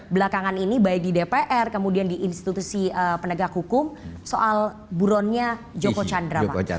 belakangan ini baik di dpr kemudian di institusi penegak hukum soal buronnya joko chandra